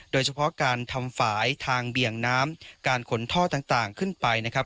โดยเฉพาะการทำฝ่ายทางเบี่ยงน้ำการขนท่อต่างขึ้นไปนะครับ